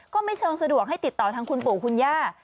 ก็ไม่เชิงสะดวกให้ติดต่อทางคุณปู่คุณย่า